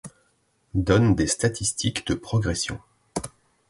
Donne des statistiques de progression.